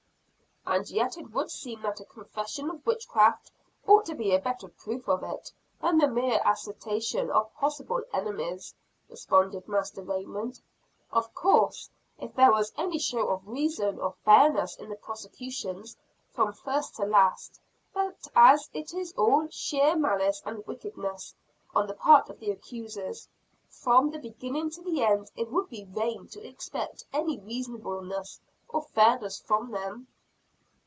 "And yet it would seem that a confession of witchcraft ought to be a better proof of it, than the mere assertion of possible enemies," responded Master Raymond. "Of course if there was any show of reason or fairness in the prosecutions, from first to last; but as it is all sheer malice and wickedness, on the part of the accusers, from the beginning to the end, it would be vain to expect any reasonableness or fairness from them."